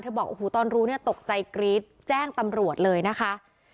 บอกโอ้โหตอนรู้เนี่ยตกใจกรี๊ดแจ้งตำรวจเลยนะคะ